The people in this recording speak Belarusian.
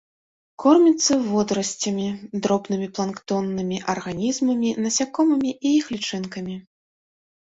Корміцца водарасцямі, дробнымі планктоннымі арганізмамі, насякомымі і іх лічынкамі.